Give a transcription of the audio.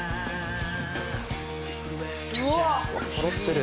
うわあ！そろってる。